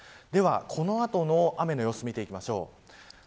この後の雨の様子を見ていきましょう。